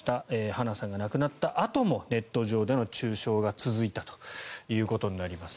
花さんが亡くなったあともネット上での中傷が続いたということになります。